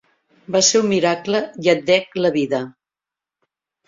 Va ser un miracle i et dec la vida.